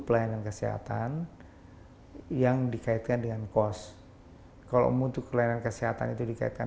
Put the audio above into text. pelayanan kesehatan yang dikaitkan dengan cost kalau mutu pelayanan kesehatan itu dikaitkan